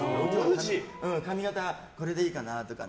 髪形も、これでいいかなとか。